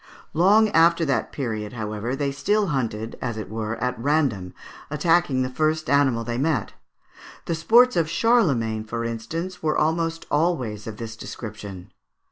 Long after that period, however, they still hunted, as it were, at random, attacking the first animal they met. The sports of Charlemagne, for instance, were almost always of this description.